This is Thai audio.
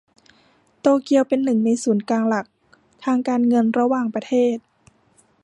โตเกียวเป็น หนึ่ง ในศูนย์กลางหลักทางการเงินระหว่างประเทศ